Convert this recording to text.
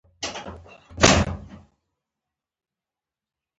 سپانسران باید مخکې راشي.